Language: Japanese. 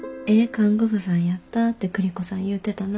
看護婦さんやったて栗子さん言うてたな。